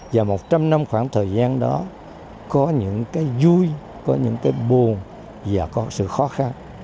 và một trăm linh năm khoảng thời gian đó có những cái vui có những cái buồn và có sự khó khăn